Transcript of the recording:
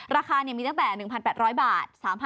ราคามีตั้งแต่๑๘๐๐บาท